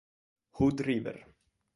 Hood River